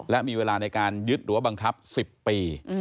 และมีเวลาในการยึดหรือว่าบังคับ๑๐ปี